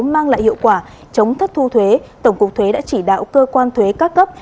mang lại hiệu quả chống thất thu thuế tổng cục thuế đã chỉ đạo cơ quan thuế các cấp